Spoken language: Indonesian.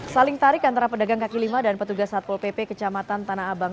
saling tarik antara pedagang kaki lima dan petugas satpol pp kecamatan tanah abang